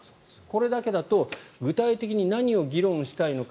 これだけだと具体的に何を議論したいのか